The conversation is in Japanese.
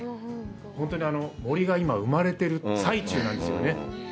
本当に森が今、生まれてる最中なんですよね。